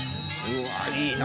うわ、いいな！